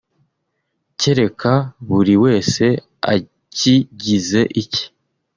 kereka buri wese akigize icye